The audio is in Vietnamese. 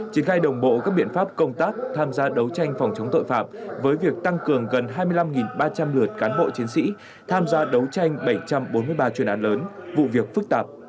triển khai đồng bộ các biện pháp công tác tham gia đấu tranh phòng chống tội phạm với việc tăng cường gần hai mươi năm ba trăm linh lượt cán bộ chiến sĩ tham gia đấu tranh bảy trăm bốn mươi ba chuyên án lớn vụ việc phức tạp